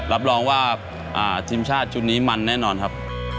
รับรองว่าทีมชาติชุดนี้มันแน่นอนครับ